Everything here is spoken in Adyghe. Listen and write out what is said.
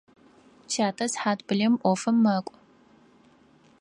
Сятэ сыхьат блым ӏофым мэкӏо.